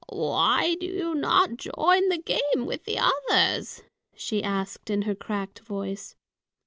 "Why do you not join the game with the others?" she asked, in her cracked voice.